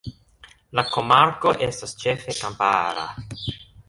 La komarko estas ĉefe kampara.